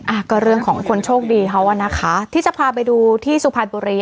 อ่ะก็เรื่องของคนโชคดีเขาอ่ะนะคะที่จะพาไปดูที่สุพรรณบุรี